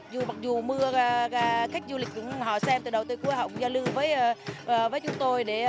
dù mặc dù mưa khách du lịch họ xem từ đầu tới cuối họ cũng giao lưu với chúng tôi